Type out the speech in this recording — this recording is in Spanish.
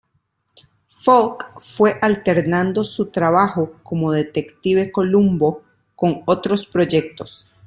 Falk fue alternando su trabajo como detective Columbo con otros proyectos.